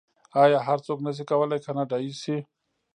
آیا هر څوک نشي کولی کاناډایی شي؟